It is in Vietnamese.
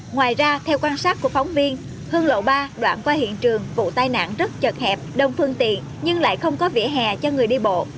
ngoài ra theo quan sát của phóng viên hương lộ ba đoạn qua hiện trường vụ tai nạn rất chật hẹp đông phương tiện nhưng lại không có vỉa hè cho người đi bộ